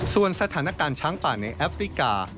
ส่วนสถานการณ์ช้างป่าในแอฟริกา